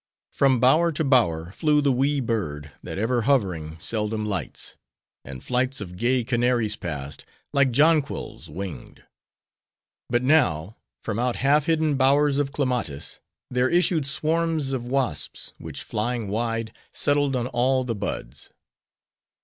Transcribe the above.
From bower to bower, flew the wee bird, that ever hovering, seldom lights; and flights of gay canaries passed, like jonquils, winged. But now, from out half hidden bowers of clematis, there issued swarms of wasps, which flying wide, settled on all the buds.